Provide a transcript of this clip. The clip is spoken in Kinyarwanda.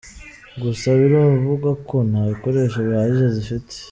Gusa, biravugwa ko nta bikoresho bihagije zifite.